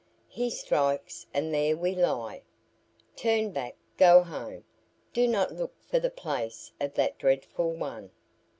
He strikes and there we lie. Turn back; go home. Do not look for the place of that dreadful one."